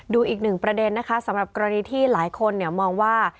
ดูอีกหนึ่งประเด็นนะคะสำหรับกรณีที่หลายคนมองว่า